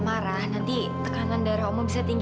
masa ini udah oh knellin